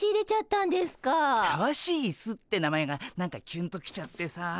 たわしイスって名前が何かキュンと来ちゃってさ。